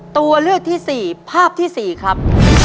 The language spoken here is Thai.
ตัวเลือกที่๔ภาพที่๔ครับ